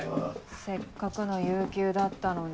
せっかくの有休だったのに。